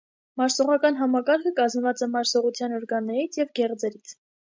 Մարսողական համակարգը կազմված է մարսողության օրգաններից և գեղձերից։